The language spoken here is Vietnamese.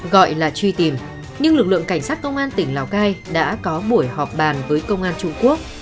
gọi là truy tìm nhưng lực lượng cảnh sát công an tỉnh lào cai đã có buổi họp bàn với công an trung quốc